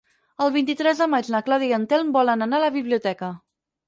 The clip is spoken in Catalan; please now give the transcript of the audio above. El vint-i-tres de maig na Clàudia i en Telm volen anar a la biblioteca.